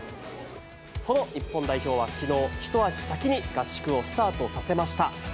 その日本代表はきのう、一足先に合宿をスタートさせました。